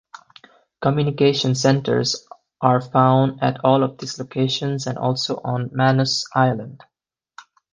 Communications centres are found at all of these locations and also on Manus island.